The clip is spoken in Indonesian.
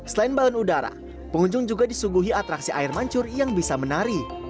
selain balon udara pengunjung juga disuguhi atraksi air mancur yang bisa menari